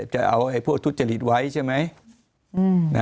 จะเอาพวกทุจริตไว้ใช่ไหม